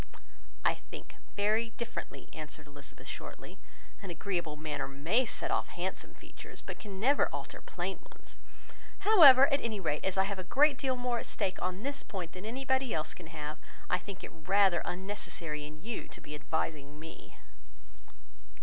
"I think very differently," answered Elizabeth, shortly; "an agreeable manner may set off handsome features, but can never alter plain ones. However, at any rate, as I have a great deal more at stake on this point than anybody else can have, I think it rather unnecessary in you to be advising me."